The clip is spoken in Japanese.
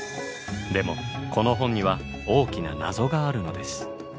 でもこの本には大きな謎があるのです。